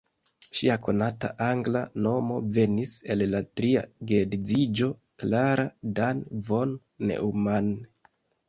Ŝia konata angla nomo venis el la tria geedziĝo: "Klara Dan von Neumann".